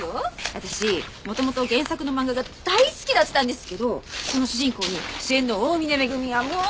私元々原作の漫画が大好きだったんですけどその主人公に主演の大峰恵がもうはまり役で！